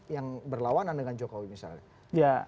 yang berlawanan dengan jokowi misalnya